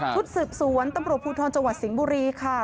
ชุดสืบสวนตำรวจภูทรจังหวัดสิงห์บุรีค่ะ